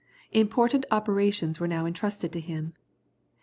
Important operations were now entrusted to him.